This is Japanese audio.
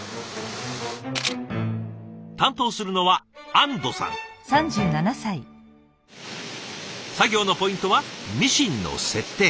担当するのは作業のポイントはミシンの設定。